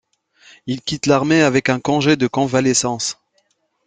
Il quitte l'armée avec un congé de convalescence.